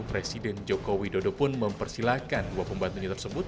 presiden jokowi dodo pun mempersilahkan dua pembantunya tersebut